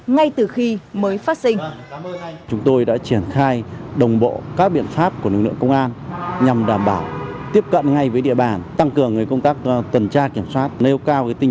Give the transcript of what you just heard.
ngay từ khi mới phát sinh